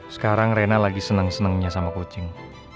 sekarang rena lagi seneng senengnya sama kucing